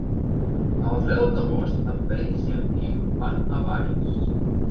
El deu d'agost en Peris i en Quim van a Valls.